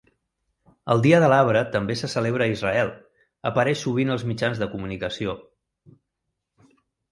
El Dia de l'Arbre també se celebra a Israel, apareix sovint als mitjans de comunicació.